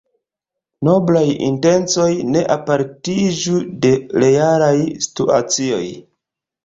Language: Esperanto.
Noblaj intencoj ne apartiĝu de realaj situacioj.